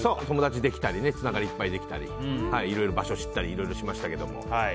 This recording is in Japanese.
友達ができたりつながりがいっぱいできたりいろいろ場所知ったりいろいろしましたけども。